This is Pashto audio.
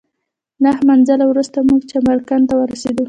نهه منزله وروسته موږ چمرکنډ ته ورسېدلو.